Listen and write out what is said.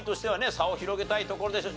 差を広げたいところでしょうし。